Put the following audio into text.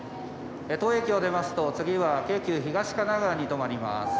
当駅を出ますと次は京急東神奈川に止まります」。